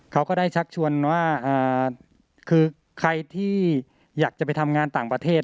เขาก็ได้ชักชวนว่าคือใครที่อยากจะไปทำงานต่างประเทศ